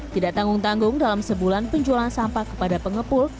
tidak tanggung tanggung dalam sebulan penjualan sampah kepada pengepul